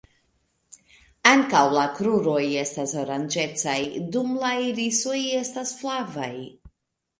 Ankaŭ la kruroj estas oranĝecaj, dum la irisoj estas flavaj.